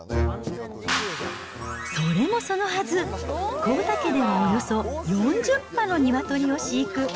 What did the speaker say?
それもそのはず、幸田家でおよそ４０羽の鶏を飼育。